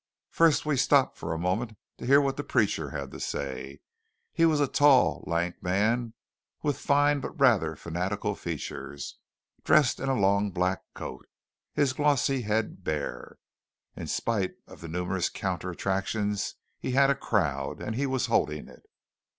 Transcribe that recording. First we stopped for a moment to hear what the preacher had to say. He was a tall, lank man with fine but rather fanatical features, dressed in a long black coat, his glossy head bare. In spite of the numerous counter attractions he had a crowd; and he was holding it.